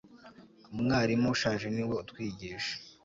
umwarimu ushaje niwe utwigisha